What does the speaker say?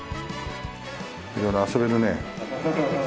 色々遊べるね。